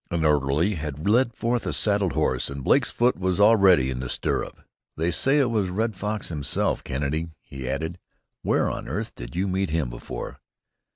An orderly had led forth a saddled horse, and Blake's foot was already in the stirrup. "They say it was Red Fox himself, Kennedy," he added. "Where on earth did you meet him before?"